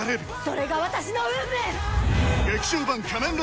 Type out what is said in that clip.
それが私の運命！